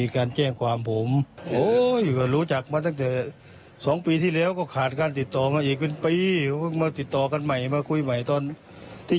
เขาเล่นไลน์เล่นเฟซอันนี้